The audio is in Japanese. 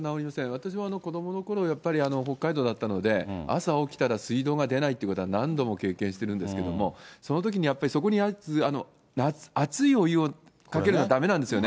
私も子どものころ、やっぱり北海道だったので、朝起きたら水道が出ないということは何度も経験してるんですけれども、そのときにやっぱり、そこに熱いお湯をかけるのはだめなんですよね。